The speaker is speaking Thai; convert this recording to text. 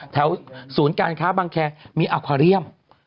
แถวศูนย์การค้าบางแคร์มีอัควาเลี่ยม